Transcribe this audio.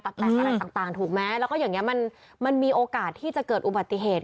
แตกอะไรต่างถูกไหมแล้วก็อย่างนี้มันมีโอกาสที่จะเกิดอุบัติเหตุ